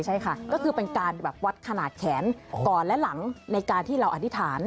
ใช่ค่ะก็คือเป็นการแบบวัดขนาดแขนก่อนและหลังในการที่เราอธิษฐาน